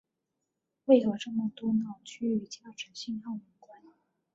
为何这么多脑区与价值信号有关。